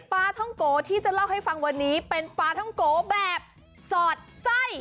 ปลาท่องโกที่จะเล่าให้ฟังวันนี้เป็นปลาท่องโกแบบสอดไส้